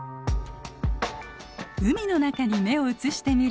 海の中に目を移してみると。